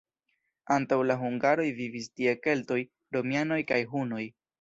Antaŭ la hungaroj vivis tie keltoj, romianoj kaj hunoj.